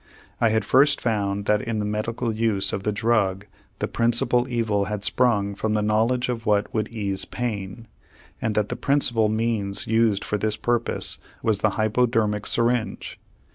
I had first found that in the medical use of the drug the principal evil had sprung from the knowledge of what would ease pain, and that the principal means used for this purpose was the hypodermic syringe.